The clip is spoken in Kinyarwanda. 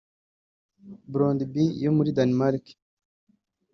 Brondby yo muri Denmark